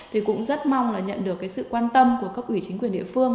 thì cũng rất mong là nhận được cái sự quan tâm của cấp ủy chính quyền địa phương